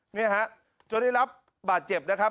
เนี่ยฮะจนได้รับบาดเจ็บนะครับ